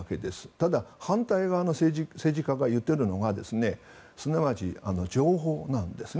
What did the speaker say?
ただ、反対側の政治家が言っているのがすなわち、情報なんですね。